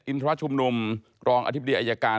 ทรชุมนุมรองอธิบดีอายการ